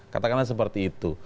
katakanlah seperti itu